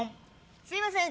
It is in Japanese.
すいません